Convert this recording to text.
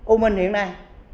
u minh hiện nay